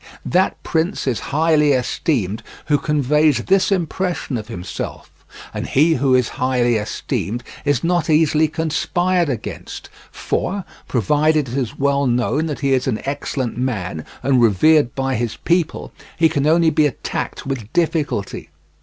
That prince is highly esteemed who conveys this impression of himself, and he who is highly esteemed is not easily conspired against; for, provided it is well known that he is an excellent man and revered by his people, he can only be attacked with difficulty.